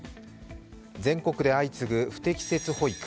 全国で相次ぐ不適切保育。